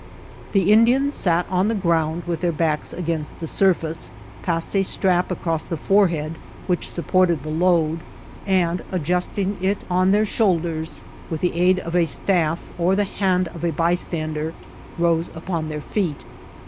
The Indians sat on the ground with their backs against the surface ; passed a strap across the forehead, which supported the load ; and, adjusting it on their shoulders, with the aid of a staff or the hand of a by stander rose upon their feet.